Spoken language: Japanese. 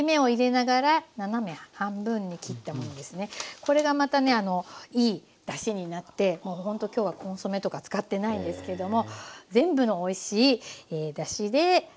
これがまたねいいだしになってもうほんと今日はコンソメとか使ってないんですけども全部のおいしいだしで煮ていきます。